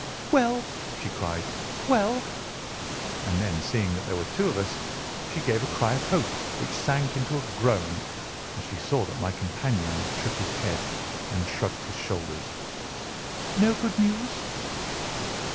"Well?" she cried, "well?" And then, seeing that there were two of us, she gave a cry of hope which sank into a groan as she saw that my companion shook his head and shrugged his shoulders. "No good news?"